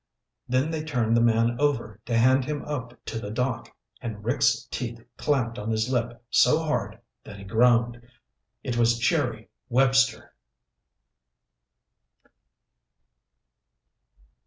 Then they turned the man over to hand him up to the dock and Rick's teeth clamped on his lip so hard that he groaned. It was Jerry Webster!